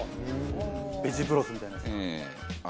ベジブロスみたいな。